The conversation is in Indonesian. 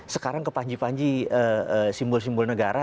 sekarang ke panji panji simbol simbol negara